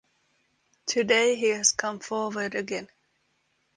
Today he has come forward again.